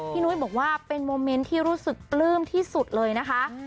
นุ้ยบอกว่าเป็นโมเมนต์ที่รู้สึกปลื้มที่สุดเลยนะคะ